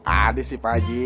ada sih pak ji